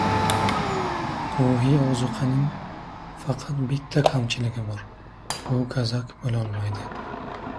— Ruhiy ozuqaning faqat bitta kamchiligi bor, u gazak bo‘lolmaydi.